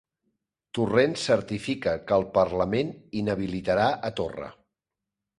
Torrent certifica que el parlament inhabilitarà a Torra